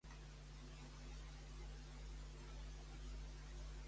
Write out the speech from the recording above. El llac es glaça habitualment a finals de novembre fins a abril.